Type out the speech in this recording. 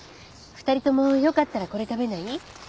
２人ともよかったらこれ食べない？